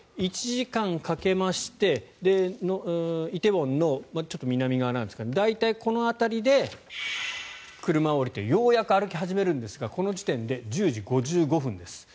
１時間かけまして梨泰院のちょっと南側なんですが大体この辺りで車を降りてようやく歩き始めるんですがこの時点で１０時５５分です。